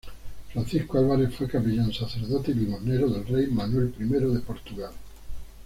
Francisco Álvares fue capellán-sacerdote y limosnero del rey Manuel I de Portugal.